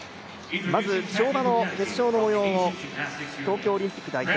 まず跳馬の決勝の模様を東京オリンピック代表